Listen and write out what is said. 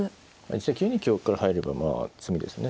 ９二香から入ればまあ詰みですね。